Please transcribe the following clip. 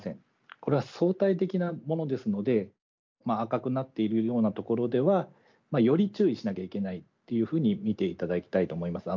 これは相対的なものですので赤くなっているようなところではより注意しなきゃいけないっていうふうに見ていただきたいと思います。